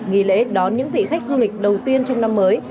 nghỉ lễ đón những vị khách du lịch đầu tiên trong năm mới